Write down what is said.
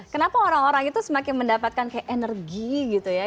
kenapa orang orang itu semakin mendapatkan kayak energi gitu ya